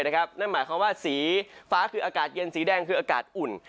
นั่นหมายความว่าสีฟ้าคืออากาศเย็นสีแดงคืออากาศอุ่น